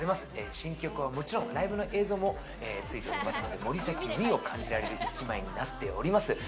新曲はもちろん、ライブの映像もついておりますので、森崎ウィンを感じられる１枚になっております。